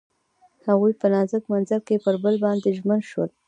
هغوی په نازک منظر کې پر بل باندې ژمن شول.